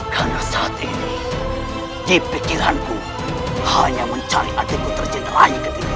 karena saat ini di pikiranku hanya mencari adikku terjenayah ketika